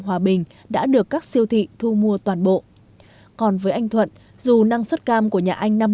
hòa bình đã được các siêu thị thu mua toàn bộ còn với anh thuận dù năng suất cam của nhà anh năm mươi